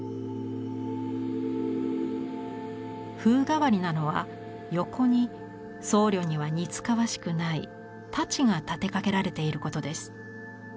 風変わりなのは横に僧侶には似つかわしくない太刀が立てかけられていることです。